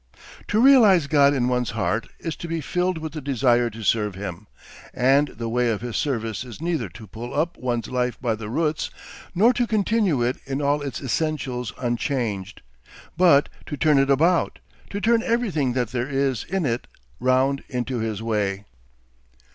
To realise God in one's heart is to be filled with the desire to serve him, and the way of his service is neither to pull up one's life by the roots nor to continue it in all its essentials unchanged, but to turn it about, to turn everything that there is in it round into his way.